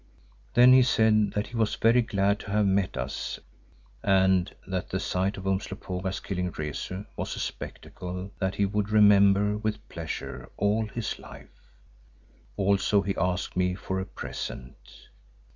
Then he said that he was very glad to have met us and that the sight of Umslopogaas killing Rezu was a spectacle that he would remember with pleasure all his life. Also he asked me for a present.